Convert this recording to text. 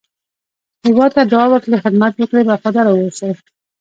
هېواد ته دعا وکړئ، خدمت وکړئ، وفاداره واوسی